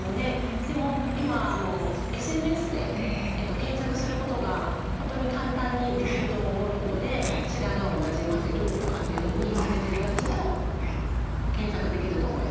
でも今ＳＮＳで検索することが本当に簡単にできると思うので「白髪をなじませる」とかっていうふうに入れて頂くと検索できると思います。